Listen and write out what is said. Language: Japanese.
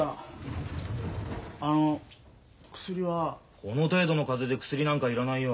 この程度の風邪で薬なんか要らないよ。